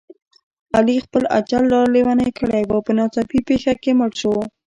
علي خپل اجل را لېونی کړی و، په ناڅاپي پېښه کې مړ شو.